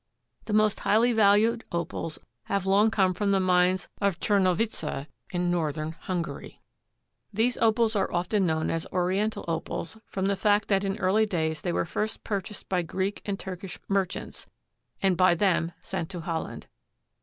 The most highly valued Opals have long come from the mines of Czernowitza in northern Hungary. These Opals are often known as Oriental Opals from the fact that in early days they were first purchased by Greek and Turkish merchants, and by them sent to Holland.